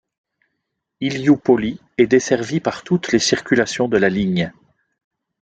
Ilioúpoli est desservie par toutes les circulations de la ligne.